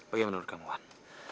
bagaimana menurut kamu wan